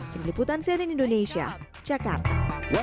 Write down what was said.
peniputan sianin indonesia jakarta